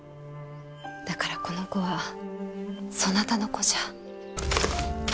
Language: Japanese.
だからこの子はそなたの子じゃ。